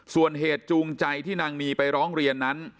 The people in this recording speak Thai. ส่วนเหตุจูงใจที่นางนีไปร้องเรียนนั้น